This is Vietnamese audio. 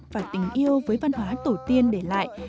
và tình yêu với văn hóa tổ tiên để lại